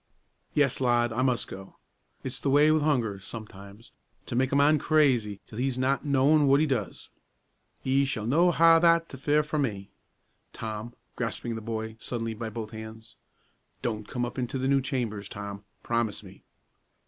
"Yes, lad, I mus' go. It's the way wi' hunger, sometimes, to mak' a man crazy till he's not knowin' what he does. Ye s'all no ha' that to fear fra me. Tom," grasping the boy, suddenly, by both hands, "don't come up into the new chambers, Tom; promise me!"